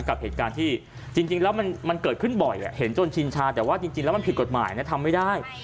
กับเหตุการณ์ที่จริงแล้วมันเกิดขึ้นบ่อยเห็นจนชินชาแต่ว่าจริงแล้วมันผิดกฎหมายนะทำไม่ได้